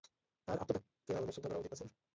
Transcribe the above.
তার আত্মত্যাগকে আমাদের শ্রদ্ধা করা উচিত না, স্যার?